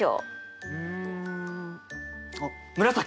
うんあっ紫！